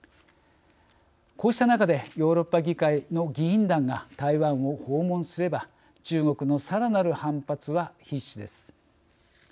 こうした中でヨーロッパ議会の議員団が台湾を訪問すれば中国のさらなる反発は必至です。